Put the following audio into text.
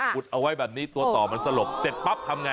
ดเอาไว้แบบนี้ตัวต่อมันสลบเสร็จปั๊บทำไง